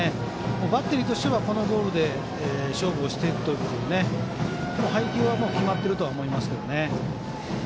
バッテリーとしてはこのボールで勝負していくということで配球は決まっているとは思います。